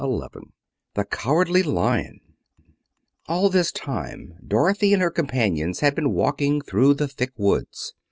Chapter VI The Cowardly Lion All this time Dorothy and her companions had been walking through the thick woods.